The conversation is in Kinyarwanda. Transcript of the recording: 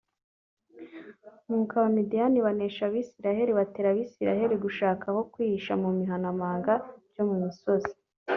ni uko abamidiyani banesha abisirayeli batera abisirayeli gushaka aho kwihisha mu bihanamangabyo mu misozi